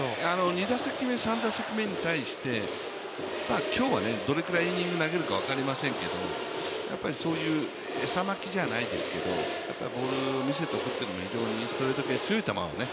２打席目、３打席目に対して、今日はどのくらいイニング投げるか分からないですけどやっぱり餌まきじゃないですけどボールを見せておくというのはストレート系、非常に強い球をね。